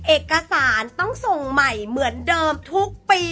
เอกสารต้องส่งใหม่เหมือนเดิมทุกปี